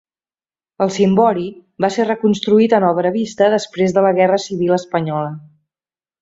El cimbori va ser reconstruït en obra vista després de la guerra civil espanyola.